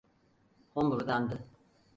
Homurdandı.